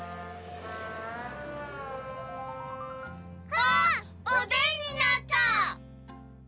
あっおでんになった！